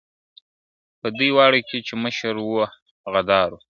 په دوی واړو کي چي مشر وو غدار وو ,